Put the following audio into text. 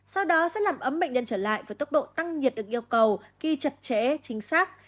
sau đó sẽ làm ấm bệnh nhân trở lại với tốc độ tăng nhiệt được yêu cầu ghi chặt chẽ chính xác